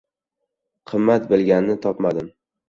Qimmat bilganni topmadim.